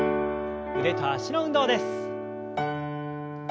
腕と脚の運動です。